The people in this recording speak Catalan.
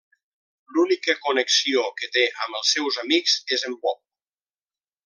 L'única connexió que té amb els seus amics és en Bob.